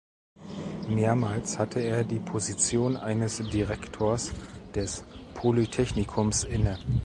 Mehrmals hatte er die Position eines Direktors des Polytechnikums inne.